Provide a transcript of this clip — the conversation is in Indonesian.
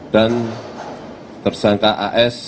dan tersangka as dan sdim